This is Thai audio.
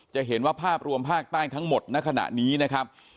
จะเห็นว่าภาพรวมภาคใต้ทั้งหมดในขณะนี้นะครับ